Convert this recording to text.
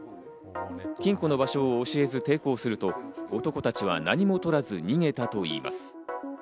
金庫の場所を教えず抵抗すると、男たちは何も取らず逃げたといいます。